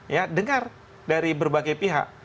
ya dengar dari berbagai pihak